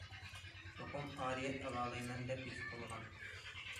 چوقۇم ئارىيەت ئالالمايمەن دەپ ھېس قىلغان.